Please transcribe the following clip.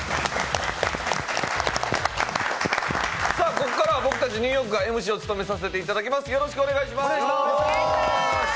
ここからは僕たちニューヨークがＭＣを務めさせていただきます。